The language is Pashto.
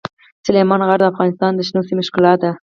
سلیمان غر د افغانستان د شنو سیمو ښکلا ده.